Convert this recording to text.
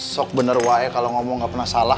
sok bener wae kalau ngomong nggak pernah salah